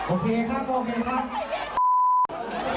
โอเคครับโอเคครับ